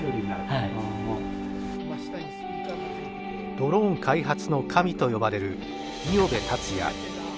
ドローン開発の神と呼ばれる五百部達也６１歳。